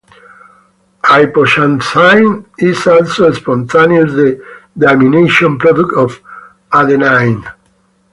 Hypoxanthine is also a spontaneous deamination product of adenine.